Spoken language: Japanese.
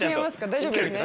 大丈夫ですね。